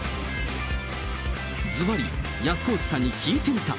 ずばり、安河内さんに聞いてみた。